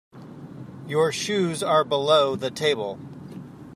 Your shoes are below the table.